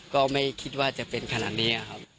ก็ไม่คิดว่าจะเป็นขนาดนี้ครับ